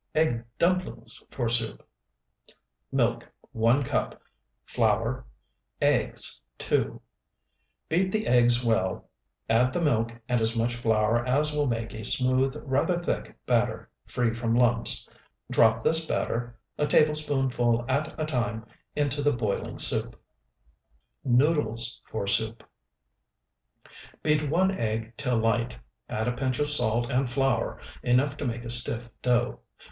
EGG DUMPLINGS FOR SOUP Milk, 1 cup. Flour. Eggs, 2. Beat the eggs well, add the milk and as much flour as will make a smooth, rather thick batter, free from lumps. Drop this batter, a tablespoonful at a time, into the boiling soup. NOODLES FOR SOUP Beat one egg till light, add a pinch of salt and flour enough to make a stiff dough.